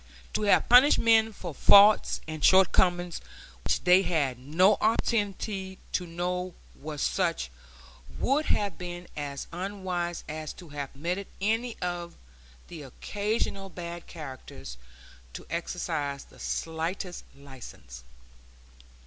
To have punished men for faults and shortcomings which they had no opportunity to know were such would have been as unwise as to have permitted any of the occasional bad characters to exercise the slightest license.